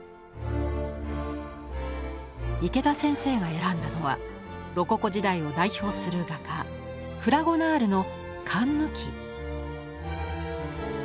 池田先生が選んだのはロココ時代を代表する画家フラゴナールの「かんぬき」。